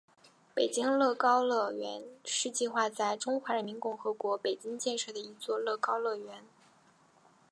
北京乐高乐园是计划在中华人民共和国北京建设的一座乐高乐园。